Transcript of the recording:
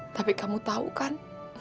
tapi kamu tahu kan